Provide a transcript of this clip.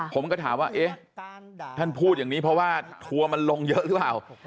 ผมก็ถามว่าเอ๊ะท่านพูดอย่างนี้เพราะว่าทัวร์มันลงเยอะหรือเปล่า